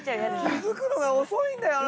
気付くのが遅いんだよな！